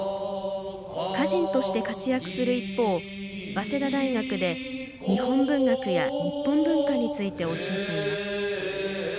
歌人として活躍する一方早稲田大学で日本文学や日本文化について教えています。